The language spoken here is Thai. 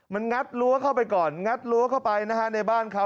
มันงัดรั้วเข้าไปก่อนงัดรั้วเข้าไปนะฮะในบ้านเขา